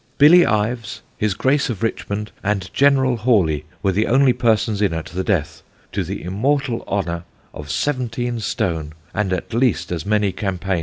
Billy Ives, His Grace of Richmond, and General Hawley were the only persons in at the death, to the immortal honour of 17 stone, and at least as many campaigns.